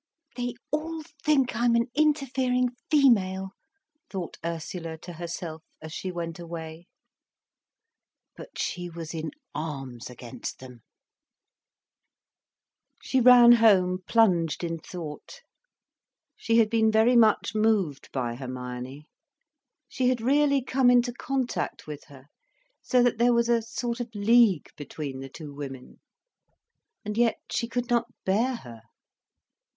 "They all think I'm an interfering female," thought Ursula to herself, as she went away. But she was in arms against them. She ran home plunged in thought. She had been very much moved by Hermione, she had really come into contact with her, so that there was a sort of league between the two women. And yet she could not bear her.